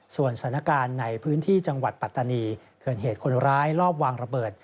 ส่วนสถานการณ์ในพื้นที่จังหวัดปัตตานีเกิดเหตุคนร้ายรอบวางระเบิด